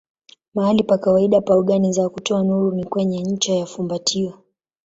Mahali pa kawaida pa ogani za kutoa nuru ni kwenye ncha ya fumbatio.